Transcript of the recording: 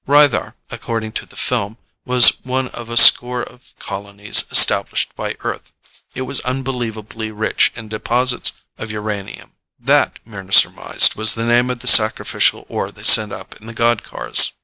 Rythar, according to the film, was one of a score of colonies established by Earth. It was unbelievably rich in deposits of uranium. That, Mryna surmised, was the name of the sacrificial ore they sent up in the god cars.